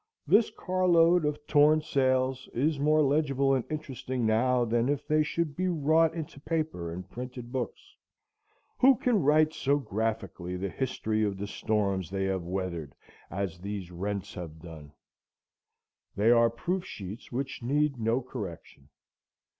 This car load of torn sails is more legible and interesting now than if they should be wrought into paper and printed books. Who can write so graphically the history of the storms they have weathered as these rents have done? They are proof sheets which need no correction.